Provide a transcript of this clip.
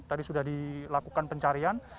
tadi sudah dilakukan pencarian